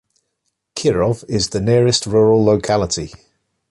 Kirov is the nearest rural locality.